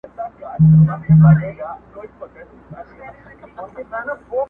شکل شمایل = مخ او خوی